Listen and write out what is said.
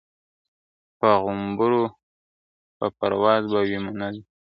په غومبرو په پرواز به وي منلي ..